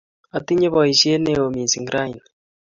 Atinye boisyet neoo mising' ra ini.